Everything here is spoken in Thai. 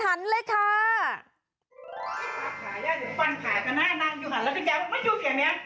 หาย่าเดี๋ยวฟันหายไปหน้านั่งอยู่ค่ะแล้วก็แจ้งว่ามันอยู่แค่เนี้ย